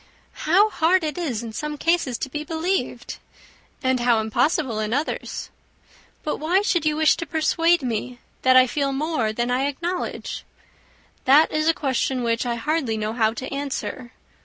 "How hard it is in some cases to be believed! And how impossible in others! But why should you wish to persuade me that I feel more than I acknowledge?" "That is a question which I hardly know how to answer.